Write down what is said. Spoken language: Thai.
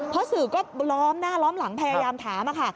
เพราะสื่อก็ล้อมหน้าล้อมหลังพยายามถามค่ะ